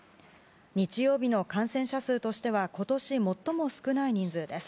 日曜日の感染者数としては今年最も少ない人数です。